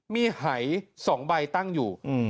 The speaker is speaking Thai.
มีหาย๒ใบตั้งอยู่